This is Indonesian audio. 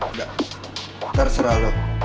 udah terserah lo